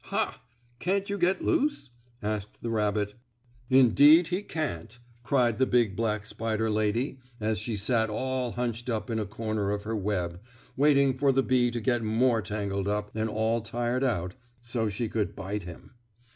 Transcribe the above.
"Ha! Can't you get loose?" asked the rabbit. "Indeed he can't!" cried the big, black spider lady, as she sat all hunched up in a corner of her web, waiting for the bee to get more tangled up and all tired out, so she could bite him.